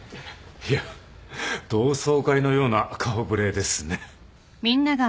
いや同窓会のような顔ぶれですね。